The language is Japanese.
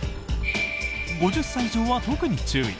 ５０歳以上は特に注意！